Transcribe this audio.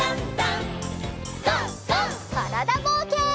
からだぼうけん。